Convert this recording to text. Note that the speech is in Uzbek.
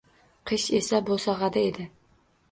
Qish esa, bo‘sag‘ada edi.